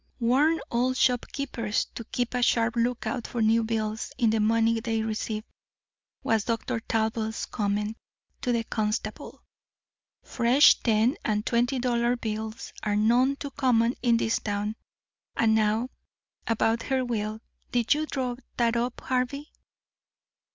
"Warn all shopkeepers to keep a sharp lookout for new bills in the money they receive," was Dr. Talbot's comment to the constable. "Fresh ten and twenty dollar bills are none too common in this town. And now about her will. Did you draw that up, Harvey?"